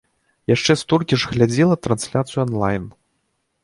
Яшчэ столькі ж глядзела трансляцыю анлайн.